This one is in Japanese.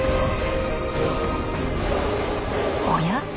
おや？